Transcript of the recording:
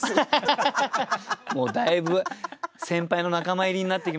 もうだいぶ先輩の仲間入りになってきましたけど。